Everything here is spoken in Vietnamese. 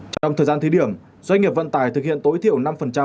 trong thời gian thí điểm doanh nghiệp vận tải thực hiện tối thiểu năm